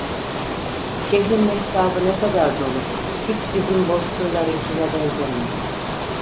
Şehrin mehtabı ne kadar donuk; hiç bizim bozkırlarınkine benzemiyor!